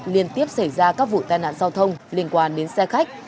liên tiếp xảy ra các vụ tai nạn giao thông liên quan đến xe khách